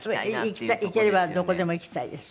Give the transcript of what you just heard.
行ければどこでも行きたいです。